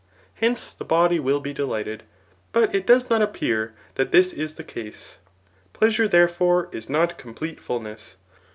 Hence, the body will be delighted ; but it does not appear that this is the case. Pleasure, there forcj is not complete fulness.